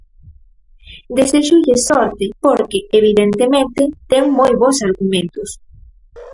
Deséxolles sorte porque, evidentemente, ten moi bos argumentos.